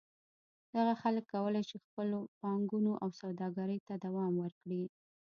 دغه خلک کولای شي خپلو پانګونو او سوداګرۍ ته دوام ورکړي.